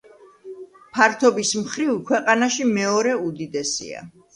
ფართობის მხრივ, ქვეყანაში მეორე უდიდესია.